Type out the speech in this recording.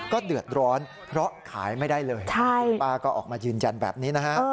ก็เดือดร้อนเพราะขายไม่ได้เลยคุณป้าก็ออกมายืนยันแบบนี้นะฮะ